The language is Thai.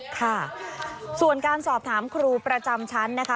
ค่ะส่วนการสอบถามครูประจำชั้นนะคะ